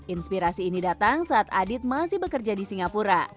inspirasi ini datang saat adit masih bekerja di singapura